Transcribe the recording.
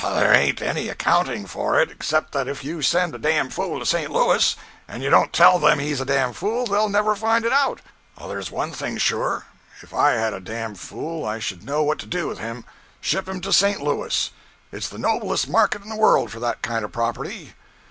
There ain't any accounting for it, except that if you send a damned fool to St. Louis, and you don't tell them he's a damned fool they'll never find it out. There's one thing sure if I had a damned fool I should know what to do with him: ship him to St. Louis it's the noblest market in the world for that kind of property.